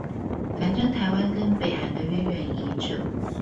反正台灣跟北韓的淵源已久